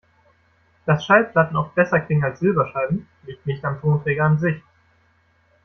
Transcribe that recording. Dass Schallplatten oft besser klingen als Silberscheiben, liegt nicht am Tonträger an sich.